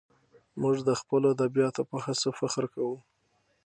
موږ د خپلو ادیبانو په هڅو فخر کوو.